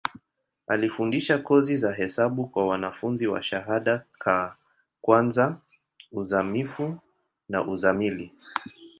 Alifundisha kozi za hesabu kwa wanafunzi wa shahada ka kwanza, uzamivu na uzamili.